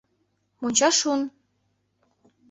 Монча шуын...